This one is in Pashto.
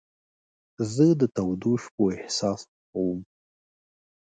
زه د تودو شپو احساس خوښوم.